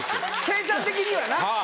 計算的にはな。